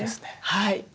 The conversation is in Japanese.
はい。